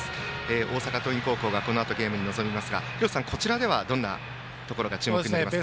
大阪桐蔭高校がこのあとゲームに臨みますが廣瀬さん、こちらではどんなところが注目になりますか。